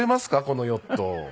このヨット。